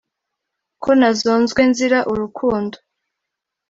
Ko nazonzwe nzira urukundo.